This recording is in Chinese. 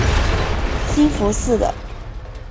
兴福寺的。